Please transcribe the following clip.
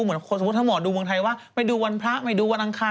สมมติถ้าหมอดูเมืองไทยว่าไม่ดูวันพระไม่ดูวันอังคาร